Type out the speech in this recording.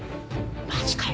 マジかよ。